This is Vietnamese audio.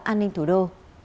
an ninh thủ đô